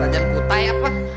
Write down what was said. kerajaan putai apa